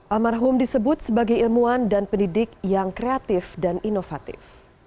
almarhum disebut sebagai ilmuwan dan pendidik yang kreatif dan inovatif